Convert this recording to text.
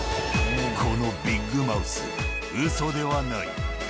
このビッグマウス、うそではない。